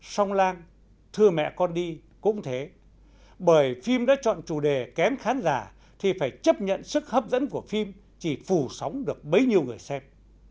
song lang thưa mẹ con đi cũng thế bởi phim đã chọn chủ đề kém khán giả thì phải chấp nhận sức hấp dẫn của phim chỉ phù sóng được bấy nhiêu người xem